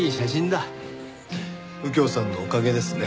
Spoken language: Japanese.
右京さんのおかげですね。